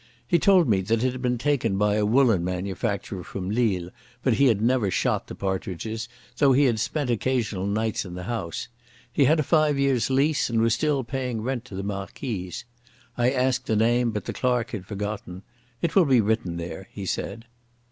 He told me that it had been taken by a woollen manufacturer from Lille, but he had never shot the partridges, though he had spent occasional nights in the house. He had a five years' lease, and was still paying rent to the Marquise. I asked the name, but the clerk had forgotten. "It will be written there," he said.